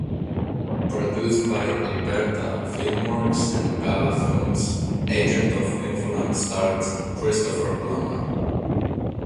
Produced by Alberta FilmWorks and Gala Films, "Agent of Influence" starred Christopher Plummer.